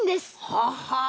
ははあ！